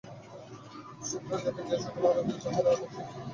শূদ্রজাতি যে সকলেই অনার্য এবং তাহারা যে বহুসংখ্যক ছিল, এ-সব কথাও সম্পূর্ণ অযৌক্তিক।